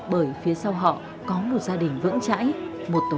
bởi phía sau họ có một gia đình vững chãi một tổ ấm hạnh phúc